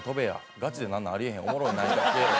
「ガチでなんなん？ありえへん」「おもろないから消えろ」